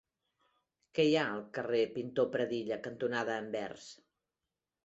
Què hi ha al carrer Pintor Pradilla cantonada Anvers?